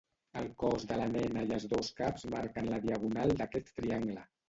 El cos de la nena i els dos caps marquen la diagonal d'aquest triangle.